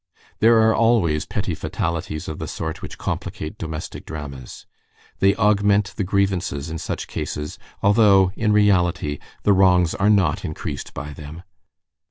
There are always petty fatalities of the sort which complicate domestic dramas. They augment the grievances in such cases, although, in reality, the wrongs are not increased by them.